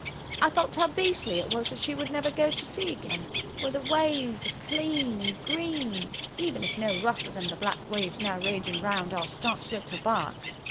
I thought how beastly it was that she would never go to sea again, where the waves are clean and green, even if no rougher than the black waves now raging around our staunch little bark.